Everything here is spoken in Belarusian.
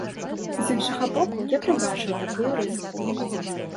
З іншага боку, я прадбачыў такую рызыку.